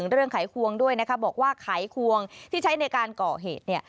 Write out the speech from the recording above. เรื่องไข้ควงด้วยนะครับบอกว่าไข้ควงที่ใช้ในการเกาะเหตุ